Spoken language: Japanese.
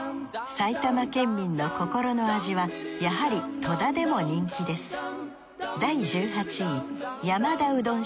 埼玉県民の心の味はやはり戸田でも人気です